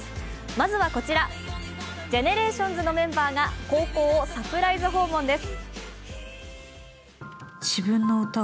まずはこちら、ＧＥＮＥＲＡＴＩＯＮＳのメンバーが高校をサプライズ訪問です。